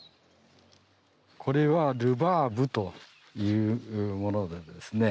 これはルバーブというものでですね。